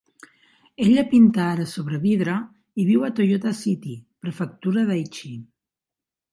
Ella pinta ara sobre vidre i viu a Toyota City, Prefectura d'Aichi.